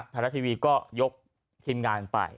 ธรรมดาทีวีก็ยกทีมงานไป